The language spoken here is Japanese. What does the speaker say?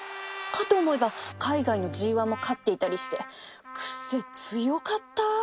かと思えば海外の ＧⅠ も勝っていたりして癖強かったー